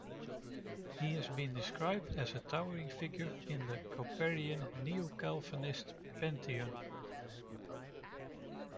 He has been described as a "towering figure" in the Kuyperian Neo-Calvinist pantheon.